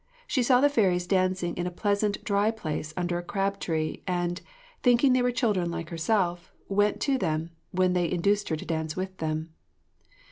She saw the fairies dancing in a pleasant, dry place, under a crab tree, and, thinking they were children like herself, went to them, when they induced her to dance with them.